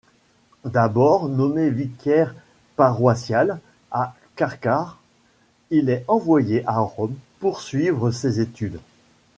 D’abord nommé vicaire paroissial à Carcare, il est envoyé à Rome poursuivre ses études.